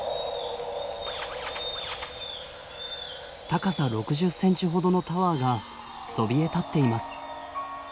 高さ６０ｃｍほどのタワーがそびえ立っています。